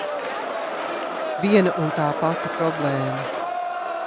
Viena un tā pati problēma!